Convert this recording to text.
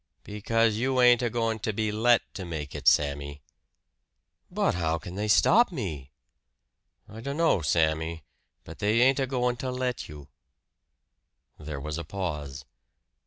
"Because you ain't a going to be let to make it, Sammy." "But how can they stop me?" "I dunno, Sammy. But they ain't a going to let you." There was a pause.